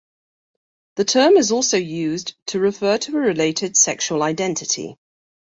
The term is also used to refer to a related sexual identity.